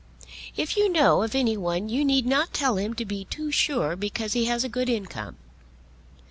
If you know of any one you need not tell him to be too sure because he has a good income."